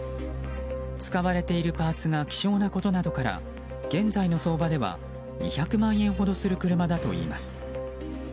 使われているパーツが希少なことなどから現在の相場では２００万円ほどする車だといいます。